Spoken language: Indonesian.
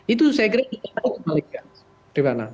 itu saya kira kita tahu kembalikan